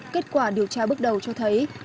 kết quả điều tra bước đầu cho thấy